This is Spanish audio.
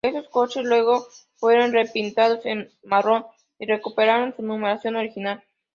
Estos coches luego fueron repintados en marrón y recuperaron su numeración original.